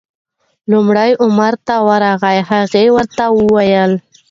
لومړی عمر ته ورغی، هغه ورته وویل: